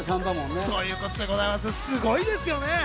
すごいですよね。